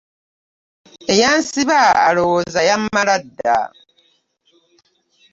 Eyansiba alowooza yammala dda.